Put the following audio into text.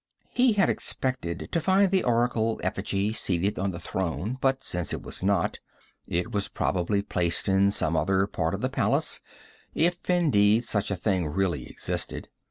He had expected to find the oracle effigy seated on the throne, but since it was not, it was probably placed in some other part of the palace, if, indeed, such a thing really existed.